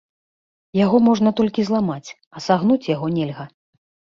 Яго можна толькі зламаць, а сагнуць яго нельга.